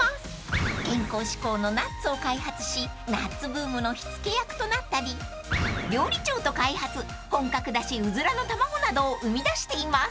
［健康志向のナッツを開発しナッツブームの火付け役となったり料理長と開発本格だしうずらのたまごなどを生み出しています］